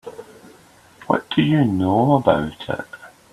What do you know about it?